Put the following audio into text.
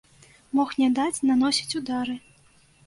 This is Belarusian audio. Мог не даць наносіць удары.